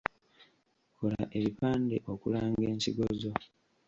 Kola ebipande okulanga ensigo zo.